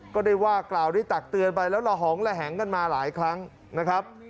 ก็ได้ว่ากล่าวได้ตักเตือนไปแล้วละหองระแหงกันมาหลายครั้งนะครับ